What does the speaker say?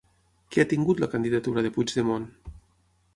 Què ha tingut la candidatura de Puigdemont?